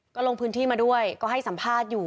ก็ลงพื้นที่มาด้วยก็ให้สัมภาษณ์อยู่